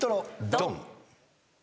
ドン！